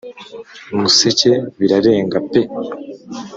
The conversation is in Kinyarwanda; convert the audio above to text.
museke birarenge peee!